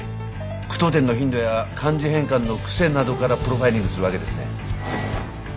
句読点の頻度や漢字変換の癖などからプロファイリングするわけですね。